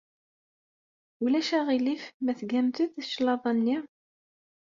Ulac aɣilif ma tgamt-d cclaḍa-nni?